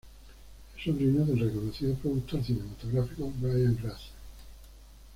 Es sobrino del reconocido productor cinematográfico Brian Grazer.